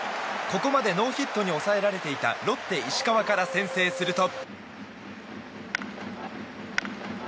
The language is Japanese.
ここまでノーヒットに抑えられていたロッテ石川から先制すると。